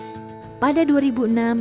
ada yang berpengalaman ada yang berpengalaman